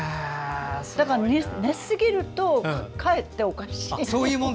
だから寝すぎるとかえっておかしいの。